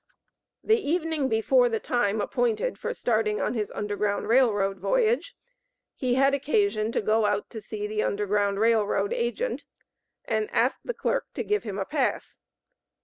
The evening before the time appointed for starting on his Underground Rail Road voyage, he had occasion to go out to see the Underground Rail Road agent, and asked the clerk to give him a pass.